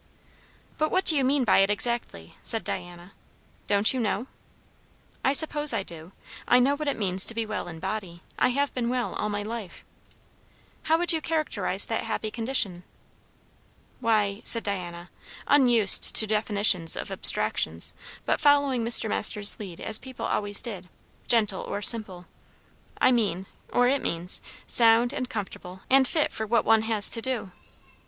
"But what do you mean by it exactly?" said Diana. "Don't you know?" "I suppose I do. I know what it means to be well in body. I have been well all my life." "How would you characterize that happy condition?" "Why," said Diana, unused to definitions of abstractions, but following Mr. Masters' lead as people always did, gentle or simple, "I mean, or it means, sound, and comfortable, and fit for what one has to do."